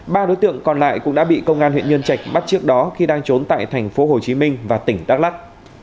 ba đối tượng còn lại cũng đã bị công an huyện nhân trạch bắt trước đó khi đang trốn tại thành phố hồ chí minh và tỉnh đắk lắc